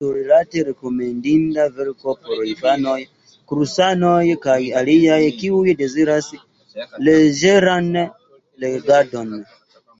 Do ĉiurilate rekomendinda verko por infanoj, kursanoj, kaj aliaj, kiuj deziras leĝeran legadon.